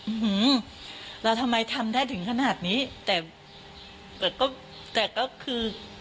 หือเราทำไมทำได้ถึงขนาดนี้แต่ก็แต่ก็คือ